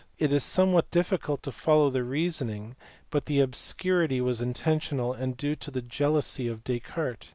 It is some what difficult to follow the reasoning, but the obscurity was intentional and due to the jealousy of Descartes.